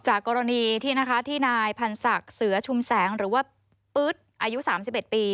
จากกรณีที่ที่นายพันธุ์ศักดิ์เสือชุมแสงหรือว่าปื๊ดอายุ๓๑ปี